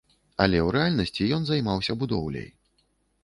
Але ў рэальнасці ён займаўся будоўляй.